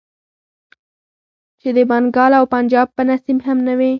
چې د بنګال او پنجاب په نصيب هم نه وې.